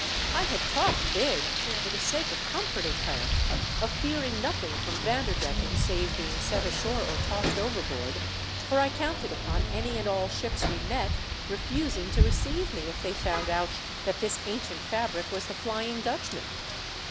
I had talked big, for the sake of comforting her, of fearing nothing from Vanderdecken save being set ashore or tossed overboard, for I counted upon any and all ships we met refusing to receive me if they found out that this ancient fabric was the Flying Dutchman.